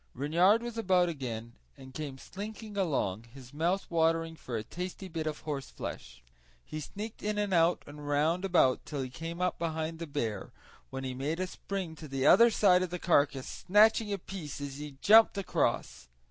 Reynard was about again and came slinking along, his mouth watering for a tasty bit of the horseflesh. He sneaked in and out and round about till he came up behind the bear, when he made a spring to the other side of the carcass, snatching a piece as he jumped across.